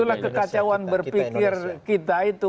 itulah kekacauan berpikir kita itu